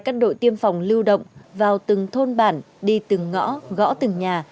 các đội tiêm phòng lưu động vào từng thôn bản đi từng ngõ gõ từng nhà